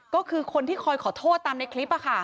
ก็คือคนที่คอยขอโทษตามในคลิป